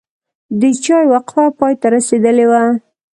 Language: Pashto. د چای وقفه پای ته رسیدلې وه.